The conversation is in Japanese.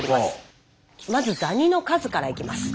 まずダニの数からいきます。